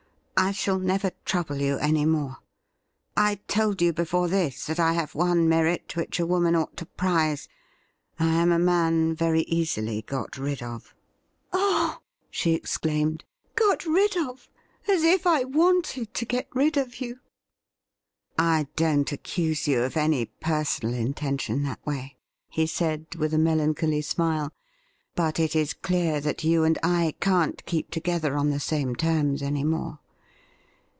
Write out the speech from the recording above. I shall never trouble you any more. I told you before this that I have one 'merit which a woman ought to prize — I am a man very easily got rid of,' 108 THE RIDDLE RING ' Oh !' she exclaimed —' got rid of? As if I wanted to get rid of you !'' I don't accuse you of any personal intention that way,' he said, with a melancholy smile. 'But it is clear that you and I can't keep together on the same terms any more.